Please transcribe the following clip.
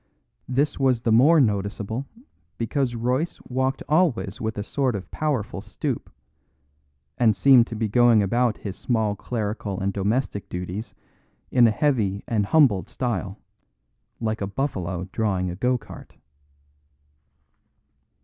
This was the more noticeable because Royce walked always with a sort of powerful stoop, and seemed to be going about his small clerical and domestic duties in a heavy and humbled style, like a buffalo drawing a go cart.